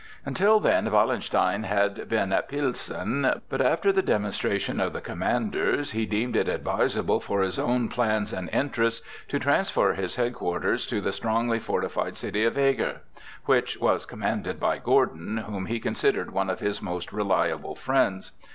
Until then Wallenstein had been at Pilsen; but after the demonstration of the commanders, he deemed it advisable for his own plans and interests to transfer his headquarters to the strongly fortified city of Eger, which was commanded by Gordon, whom he considered one of his most reliable friends.